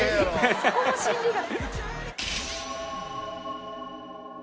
そこも心理学